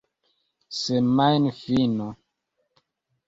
semajnfino